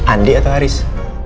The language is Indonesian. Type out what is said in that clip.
andi atau haris